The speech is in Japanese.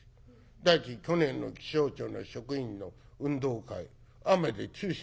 第一去年の気象庁の職員の運動会雨で中止になったって。